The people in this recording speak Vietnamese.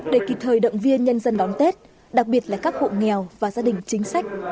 để kịp thời động viên nhân dân đón tết đặc biệt là các hộ nghèo và gia đình chính sách